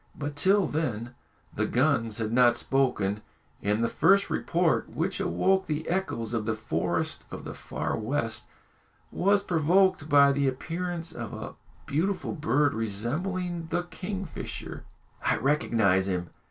But till then the guns had not spoken, and the first report which awoke the echoes of the forest of the Far West was provoked by the appearance of a beautiful bird, resembling the kingfisher. "I recognise him!"